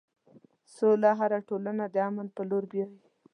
سوله هره ټولنه د امن په لور بیایي.